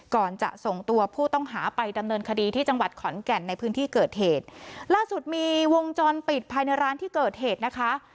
ก่อนจะส่งตัวผู้ต้องหาไปดำเนินคดีที่จังหวัดขอนแก่นในพื้นที่เกิดเหตุล่าสุดมีวงจรปิดภายในร้านที่เกิดเหตุนะคะ